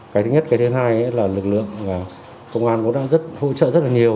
cái thứ nhất cái thứ hai là lực lượng công an đang hỗ trợ rất là nhiều